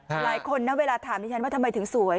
หลายคนในเวลาถามถึงทำไมถึงสวย